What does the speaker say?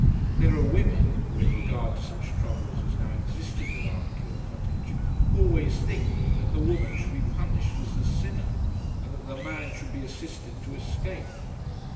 There are women, who in regard to such troubles as now existed at Ardkill cottage, always think that the woman should be punished as the sinner and that the man should be assisted to escape.